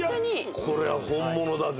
これは本物だぜ。